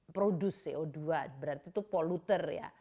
produce co dua berarti itu poluter ya